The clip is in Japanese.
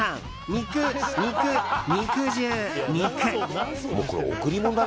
肉、肉、肉汁、肉。